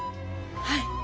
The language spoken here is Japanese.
はい。